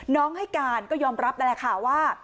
ให้การก็ยอมรับนั่นแหละค่ะว่า